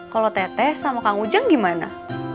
kalau tete sama kang ujang gimana